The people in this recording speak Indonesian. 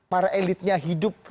para elitnya hidup